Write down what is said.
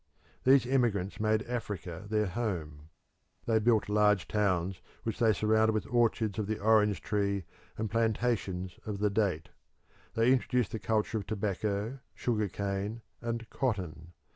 The emigrants made Africa their home; they built large towns which they surrounded with orchards of the orange tree and plantations of the date; they introduced the culture of tobacco, sugar cane and cotton.